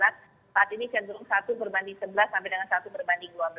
saat ini cenderung satu berbanding sebelas sampai dengan satu berbanding dua belas